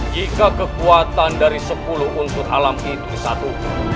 jika kekuatan dari sepuluh unsur alam itu satu